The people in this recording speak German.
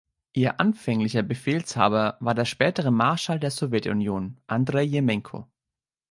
Ihr anfänglicher Befehlshaber war der spätere Marschall der Sowjetunion, Andrej Jemenko.